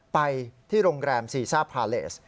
ไปที่โรงแรมซีซ่าพาเลส